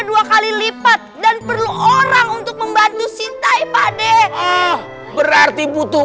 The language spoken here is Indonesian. dua kali lipat dan perlu orang untuk membantu sintai pade berarti butuh